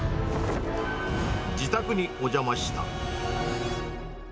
自宅にお邪魔した。